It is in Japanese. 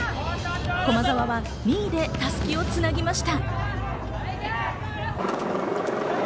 駒澤は２位で襷をつなぎました。